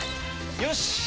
よし！